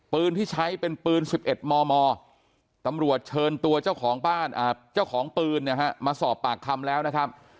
ปืนที่ใช้เป็นปืน๑๑มมตำรวจเชิญตัวเจ้าของบ้านเจ้าของปืนมาสอบปากคำแล้วนะครับ